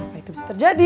kenapa itu bisa terjadi